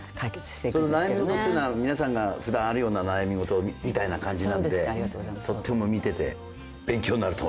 その悩み事っていうのは皆さんが普段あるような悩み事みたいな感じなんでとっても見てて勉強になると思いますよ。